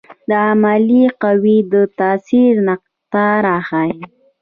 د عاملې قوې د تاثیر نقطه راښيي.